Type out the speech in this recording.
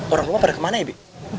orang lu pada kemana ya bi